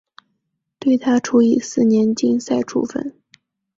对她处以四年禁赛处分。